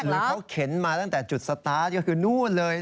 หรือเขาเข็นมาตั้งแต่จุดสตาร์ทก็คือนู่นเลย